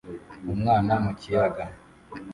Umwana mu kiyaga